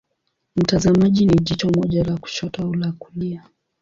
Mtazamaji ni jicho moja la kushoto au la kulia.